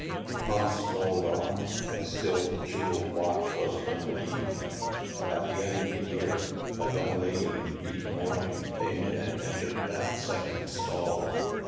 Months rolled on, and still the jeweled watch was unredeemed. At the end of the year a young lady in deep mourning came in and entered 1G NIGHT SIDE OF NEW YOKE. bat second stall.